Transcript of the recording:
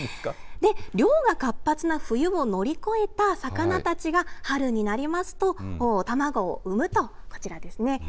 漁が活発な冬を乗り越えた魚たちが、春になりますと、卵を産むと、こちらですね。